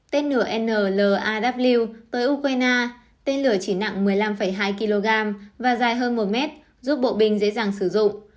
tên lửa nl aw tới ukraine tên lửa chỉ nặng một mươi năm hai kg và dài hơn một m giúp bộ binh dễ dàng sử dụng